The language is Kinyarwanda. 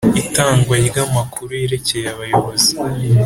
Itangwa ry amakuru yerekeye abayobozi